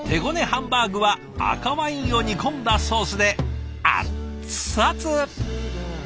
ハンバーグは赤ワインを煮込んだソースでアッツアツ。